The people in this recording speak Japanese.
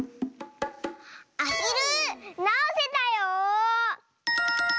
アヒルなおせたよ！